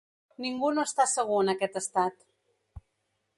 Ningú no està segur en aquest estat.